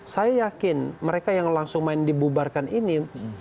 saya yakin mereka yang langsung main dibubarkan ini